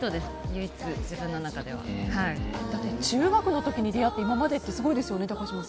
唯一自分の中では。だって中学の時出会って今までってすごいですね。